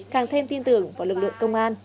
càng thêm tin tưởng vào lực lượng công an